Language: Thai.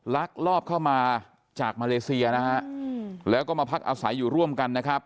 พักรอบเข้ามาจากมาเลเซียแล้วก็มาพักอาศัยอยู่ร่วมกัน